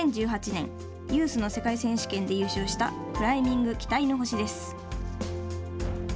２０１８年、ユースの世界選手権で優勝したクライミング期待の星です。